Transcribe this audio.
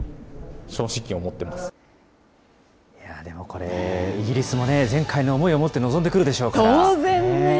でもこれ、イギリスもね、前回の思いを持って臨んでくるでしょうから。